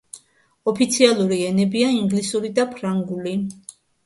ოფიციალური ენებია ინგლისური და ფრანგული.